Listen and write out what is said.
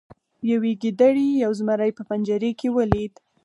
یوې ګیدړې یو زمری په پنجره کې ولید.